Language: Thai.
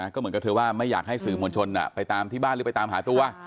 ก็เหมือนกับเธอว่าไม่อยากให้สื่อมวลชนไปตามที่บ้านหรือไปตามหาตัว